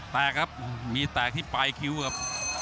แตกครับมีแตกที่ปลายคิ้วครับ